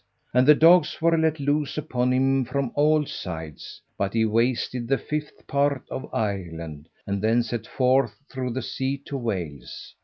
And the dogs were let loose upon him from all sides. But he wasted the fifth part of Ireland, and then set forth through the sea to Wales.